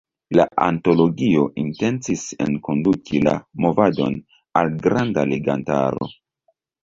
La antologio intencis enkonduki la movadon al granda legantaro.